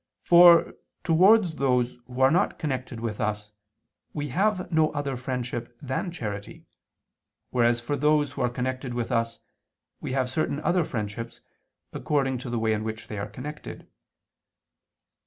For, towards those who are not connected with us we have no other friendship than charity, whereas for those who are connected with us, we have certain other friendships, according to the way in which they are connected.